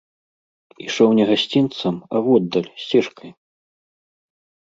Ішоў не гасцінцам, а воддаль, сцежкай.